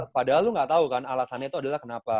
padahal lu gak tau kan alasannya itu adalah kenapa